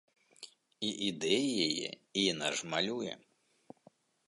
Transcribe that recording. І ідэі яе, і яна ж малюе.